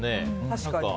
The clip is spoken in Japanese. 確かに。